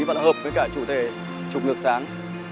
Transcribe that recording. và nó hợp với chủ thể chụp ngược sáng